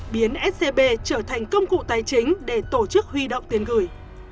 biến scb trở thành công cụ tài chính để tổ chức huy động tiền gửi